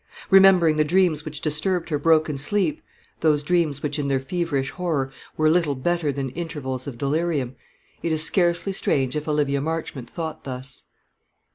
Remembering the dreams which disturbed her broken sleep, those dreams which, in their feverish horror, were little better than intervals of delirium, it is scarcely strange if Olivia Marchmont thought thus.